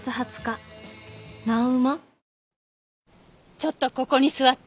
ちょっとここに座って。